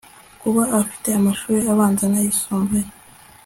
kuba afite amashuli abanza n'ayisumbuye